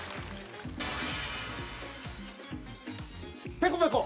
ペコペコ。